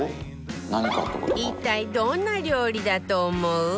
一体どんな料理だと思う？